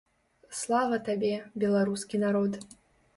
Слава табе, беларускі народ!